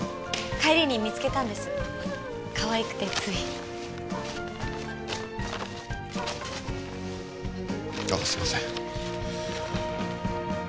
帰りに見つけたんですかわいくてついあっすいません